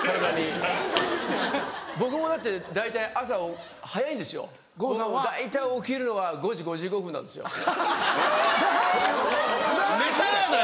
僕もだって大体朝早いんですよ大体起きるのは５時５５分なんですよ。